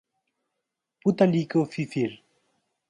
पुतलीको फिर्फिर ।